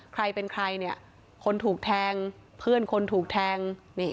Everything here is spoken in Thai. ใครเป็นใครเนี่ยคนถูกแทงเพื่อนคนถูกแทง